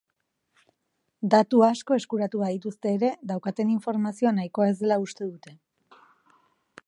Datu asko eskuratu badituzte ere, daukaten informazioa nahikoa ez dela uste dute.